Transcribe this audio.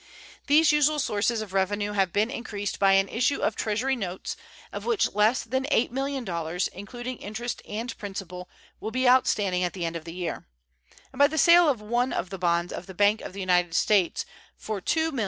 These usual sources of revenue have been increased by an issue of Treasury notes, of which less than $8,000,000, including interest and principal, will be outstanding at the end of the year, and by the sale of one of the bonds of the Bank of the United States for $2,254,871.